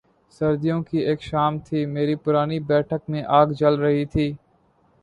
سردیوں کی ایک شام تھی، میری پرانی بیٹھک میں آگ جل رہی تھی۔